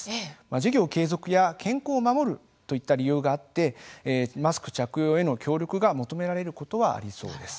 事業継続や健康を守るといった理由があってマスク着用への協力が求められることは、ありそうです。